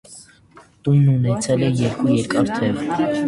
Տունն ունեցել է երկու երկար թև։